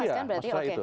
iya maksudnya itu